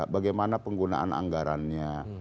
bagaimana penggunaan anggarannya